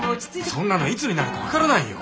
そんなのいつになるか分からないよ。